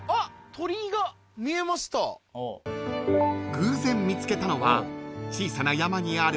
［偶然見つけたのは小さな山にある］